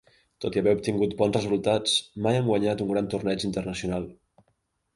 Tot i haver obtingut bons resultats, mai han guanyat un gran torneig internacional.